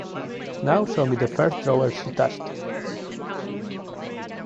Now show me the first drawer she touched.